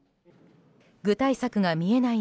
具体策が見えない